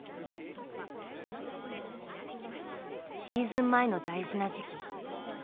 シーズン前の大事な時期。